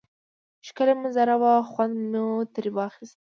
ښکلی منظره وه خوند مو تری واخیست